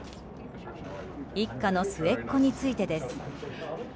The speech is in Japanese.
一家の末っ子についてです。